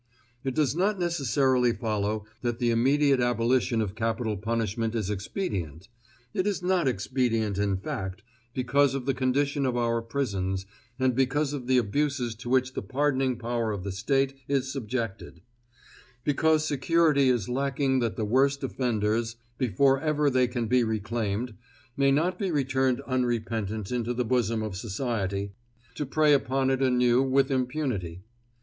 It does not necessarily follow that the immediate abolition of capital punishment is expedient. It is not expedient in fact, because of the condition of our prisons, and because of the abuses to which the pardoning power of the State is subjected; because security is lacking that the worst offenders, before ever they can be reclaimed, may not be returned unrepentant into the bosom of society, to prey upon it anew with impunity.